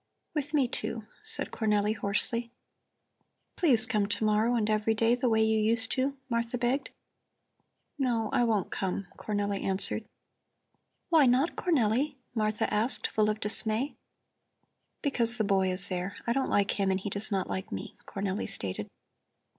"With me, too," said Cornelli hoarsely. "Please come to morrow and every day, the way you used to," Martha begged. "No, I won't come," Cornelli answered. "Why not, Cornelli?" Martha asked, full of dismay. "Because the boy is there. I don't like him and he does not like me," Cornelli stated.